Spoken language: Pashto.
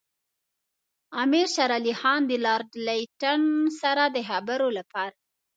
امیر شېر علي خان د لارډ لیټن سره د خبرو لپاره.